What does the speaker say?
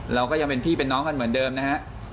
เราก็ยังเป็นพี่เป็นน้องกันเหมือนเดิมนะฮะ